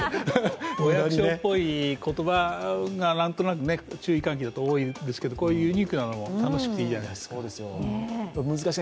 お役所っぽい言葉が注意喚起では多くなるけど、こういうユニークなのも楽しくていいじゃないですか。